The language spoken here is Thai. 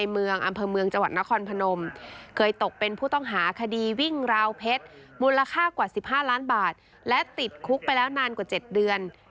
มูลค่ากว่า๑๕ล้านบาทและติดคลุกไปแล้วนานกว่า๗เดือน